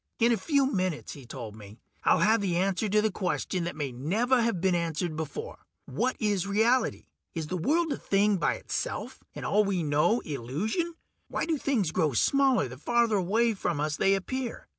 "In a few minutes," he told me, "I'll have the answer to a question that may never have been answered before: what is reality? Is the world a thing by itself, and all we know illusion? Why do things grow smaller the farther away from us they appear?